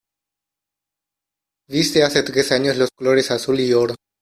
Viste hace tres años los colores azul y oro.